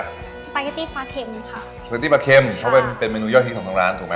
ปาเกตตี้ปลาเข็มค่ะปาร์ตี้ปลาเค็มเพราะเป็นเป็นเมนูยอดฮิตของทางร้านถูกไหม